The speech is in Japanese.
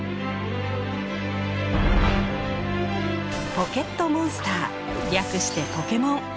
ポケットモンスター略してポケモン。